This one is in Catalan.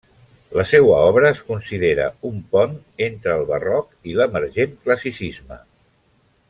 La seua obra es considera un pont entre el Barroc i l'emergent Classicisme.